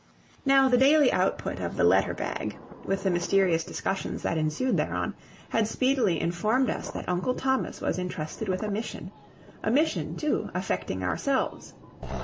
Now the daily output of the letter bag, with the mysterious discussions that ensued thereon, had speedily informed us that Uncle Thomas was intrusted with a mission, a mission, too, affecting ourselves.